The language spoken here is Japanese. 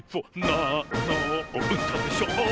「なんのうたでしょ」